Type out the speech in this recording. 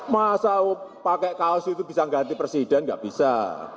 masa pakai kaos itu bisa ganti presiden nggak bisa